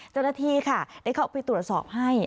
เจออาทีจังหวัดเขาไปตรวจสอบให้